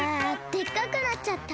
でっかくなっちゃった！